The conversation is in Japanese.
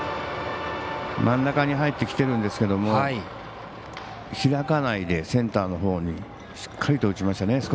真ん中に入ってきてるんですけど開かないでセンターのほうにしっかりと打ちましたね。